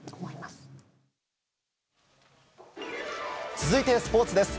続いて、スポーツです。